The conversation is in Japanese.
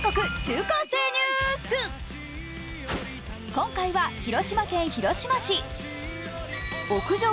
今回は広島県広島市。